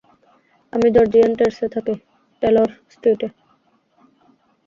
আমি জর্জিয়ান টেরেসে থাকি, টেলর স্ট্রিটে।